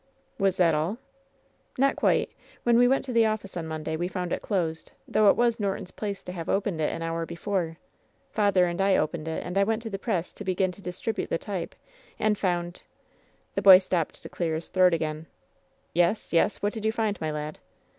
"Was that all?" "Not quite. When we went to the office on Monday we found it closed, though it was Norton's place to have opened it an hour before. Father and I opened it, and I went to the press to begin to distribute the type, and found " The boy stopped to clear his throat again. "Yes, yes, what did you find, my lad